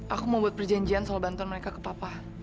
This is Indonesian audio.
aku mau buat perjanjian soal bantuan mereka ke papa